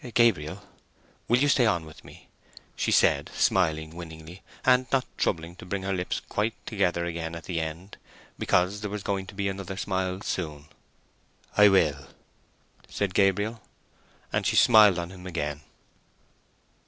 "Gabriel, will you stay on with me?" she said, smiling winningly, and not troubling to bring her lips quite together again at the end, because there was going to be another smile soon. "I will," said Gabriel. And she smiled on him again.